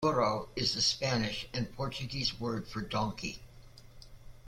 "Burro" is the Spanish and Portuguese word for donkey.